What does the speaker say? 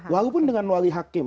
walaupun dengan wali hakim